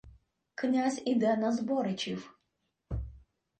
Князь іде на Зборичів.